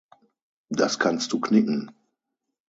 Das kannst du knicken!